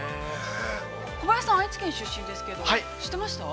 小林さん、愛知県出身ですけれども、知ってましたか。